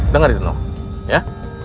dengar itu nong ya